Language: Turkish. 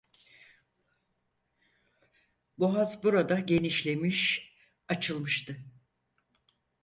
Boğaz burada genişlemiş, açılmıştı.